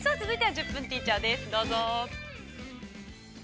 ◆「１０分ティーチャー」